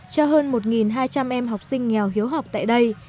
cho hơn một hai trăm linh em học sinh nghèo hiếu học tại đây